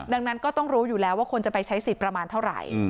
ดังนั้นก็ต้องรู้อยู่แล้วว่าคนจะไปใช้สิทธิ์ประมาณเท่าไหร่